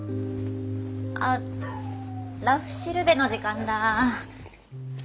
あ「らふしるべ」の時間だ。